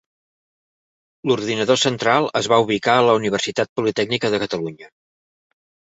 L'ordinador central es va ubicar a la Universitat Politècnica de Catalunya.